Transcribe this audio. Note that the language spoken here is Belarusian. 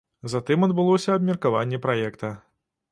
Затым адбылося абмеркаванне праекта.